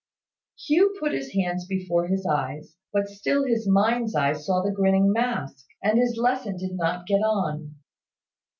Hugh put his hands before his eyes; but still his mind's eye saw the grinning mask, and his lesson did not get on.